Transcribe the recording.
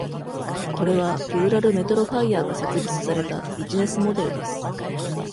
これは、ルーラルメトロファイヤーが設立されたビジネスモデルです。